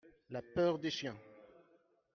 La peur des chiens.